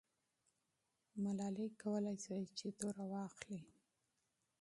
ملالۍ کولای سوای چې توره واخلي.